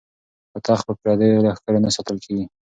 خو تخت په پردیو لښکرو نه ساتل کیږي.